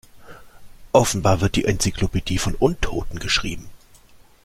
Offenbar wird die Enzyklopädie von Untoten geschrieben.